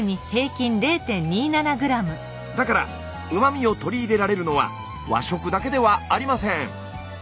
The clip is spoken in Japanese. だからうま味を取り入れられるのは和食だけではありません。